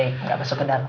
enggak masuk ke dalam